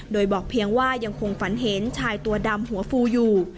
โดยบอกเพียงว่ายังคงฝันเห็นชายตัวดำหัวฟูอยู่